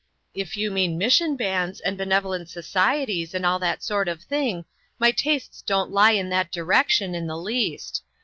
If you me'an mission bands and be nevolent societies, and all that sort of thing, my tastes don't lie in that direction, in the least.